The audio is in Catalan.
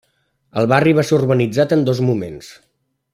El barri va ser urbanitzat en dos moments.